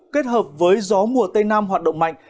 kết hợp với gió mùa tây nam hoạt động mạnh